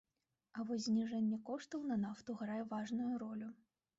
А вось зніжэнне коштаў на нафту грае важную ролю.